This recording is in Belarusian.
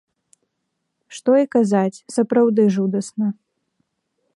Што і казаць, сапраўды жудасна.